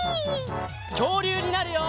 きょうりゅうになるよ！